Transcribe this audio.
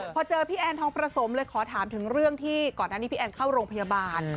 พอเจอพี่แอนทองประสมเลยขอถามถึงเรื่องที่ก่อนหน้านี้พี่แอนเข้าโรงพยาบาล